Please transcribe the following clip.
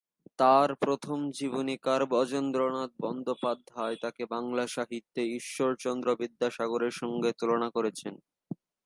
তার প্রথম জীবনীকার ব্রজেন্দ্রনাথ বন্দ্যোপাধ্যায় তাকে বাংলা সাহিত্যে ঈশ্বরচন্দ্র বিদ্যাসাগরের সংগে তুলনা করেছেন।